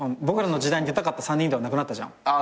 『ボクらの時代』に出たかった３人ではなくなったじゃん。